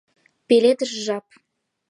ПЕЛЕДЫШ ЖАП